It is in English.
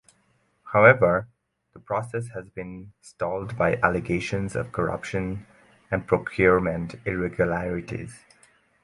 However, the process has been stalled by allegations of corruption and procurement irregularities.